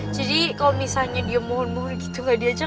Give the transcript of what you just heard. jadi kalau misalnya dia mohon mohon gitu gak diajak